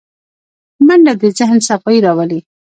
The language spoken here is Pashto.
منډه د ذهن صفايي راولي